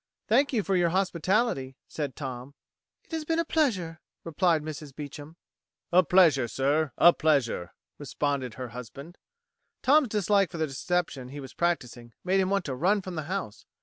"Thank you for your hospitality," said Tom. "It has been a pleasure," replied Mrs. Beecham. "A pleasure, sir a pleasure," responded her husband. Tom's dislike for the deception he was practising made him want to run from the house.